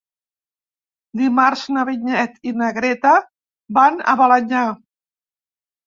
Dimarts na Vinyet i na Greta van a Balenyà.